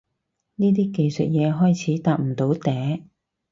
呢啲技術嘢開始搭唔到嗲